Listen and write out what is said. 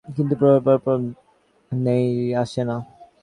কিন্তু প্রহরের পর প্রহর যায়, কেউ আসে না।